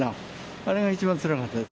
あれが一番つらかったです。